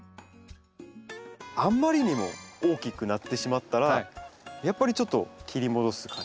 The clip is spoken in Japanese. あんまりにも大きくなってしまったらやっぱりちょっと切り戻す感じ？